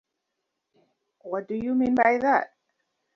The film received very positive reviews from critics.